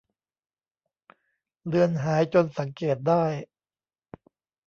เลือนหายจนสังเกตได้